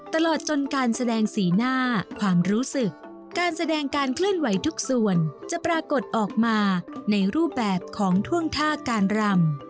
ตลอดจนการแสดงสีหน้าความรู้สึกการแสดงการเคลื่อนไหวทุกส่วนจะปรากฏออกมาในรูปแบบของท่วงท่าการรำ